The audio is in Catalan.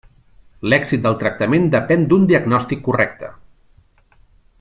L'èxit del tractament depèn d'un diagnòstic correcte.